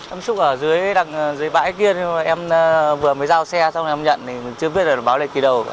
em xuất ở dưới bãi kia em vừa mới giao xe xong em nhận thì chưa biết được báo lệnh kỳ đầu cả